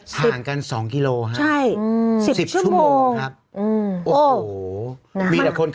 ส่างกัน๒กิโลครับ